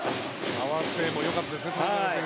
合わせもよかったですね。